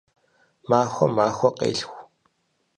Махуэм махуэ къелъху.